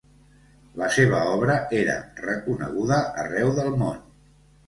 La seva obra era reconeguda arreu del món.